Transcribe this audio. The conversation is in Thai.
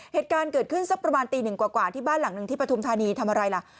เหตุการณ์เกิดขึ้นสักประมาณตีหนึ่งกว่าที่บ้านหลังหนึ่งที่ปฐุมธานีทำอะไรล่ะ